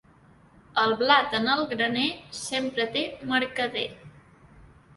El blat en el graner sempre té mercader.